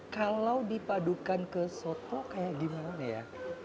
kalau dipadukan ke soto kayak gimana ya